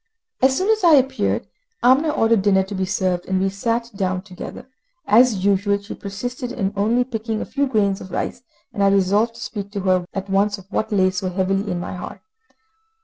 As soon as I appeared, Amina ordered dinner to be served, and we sat down together. As usual, she persisted in only picking a few grains of rice, and I resolved to speak to her at once of what lay so heavily on my heart.